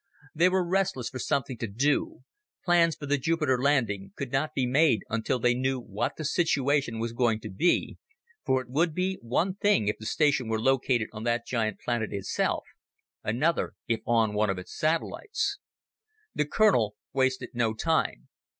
They were restless for something to do plans for the Jupiter landing could not be made until they knew what the situation was going to be, for it would be one thing if the station were located on that giant planet itself, another if on one of its satellites. The colonel wasted no time.